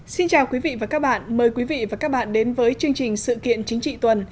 xin chào quý vị và các bạn mời quý vị và các bạn đến với chương trình sự kiện chính trị tuần